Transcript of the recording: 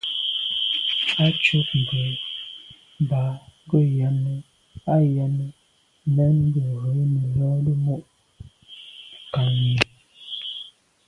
Á cúp mbə̄ mbā gə̀ yɑ́nə́ à' yɑ́nə́ mɛ̀n gə̀ rə̌ nə̀ lódə́ mû' kání.